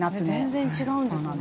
全然違うんですね。